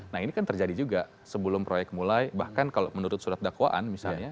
nah ini kan terjadi juga sebelum proyek mulai bahkan kalau menurut surat dakwaan misalnya